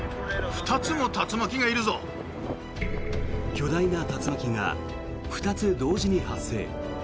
巨大な竜巻が２つ同時に発生。